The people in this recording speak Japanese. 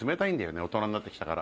大人になって来たから。